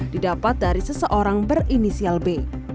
didapat dari seseorang berinisial b